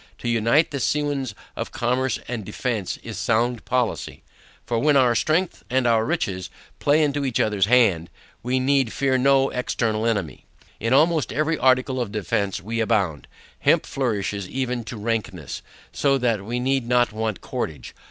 To unite the sinews of commerce and defence is sound policy; for when our strength and our riches, play into each other's hand, we need fear no external enemy. In almost every article of defence we abound. Hemp flourishes even to rankness, so that we need not want cordage.